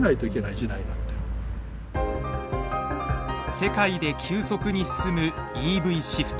世界で急速に進むＥＶシフト。